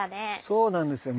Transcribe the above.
そうなんですよ。